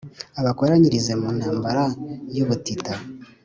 abakoranyirize mu ntambara yu butita